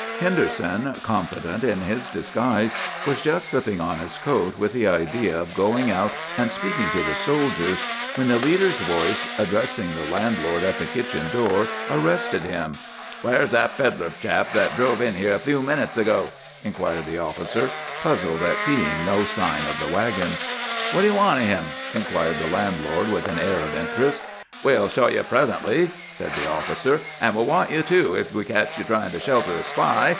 Henderson, confident in his disguise, was just slipping on his coat with the idea of going out and speaking to the soldiers, when the leader's voice, addressing the landlord at the kitchen door, arrested him. "'Where's that pedler chap that drove in here a few minutes ago?' inquired the officer, puzzled at seeing no sign of the wagon. "'What do you want of him?' inquired the landlord with an air of interest. "'We'll show you presently!' said the officer. 'And we'll want you, too, if we catch you trying to shelter a spy!